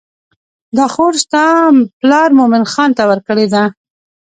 دا خور ستا پلار مومن خان ته ورکړې ده.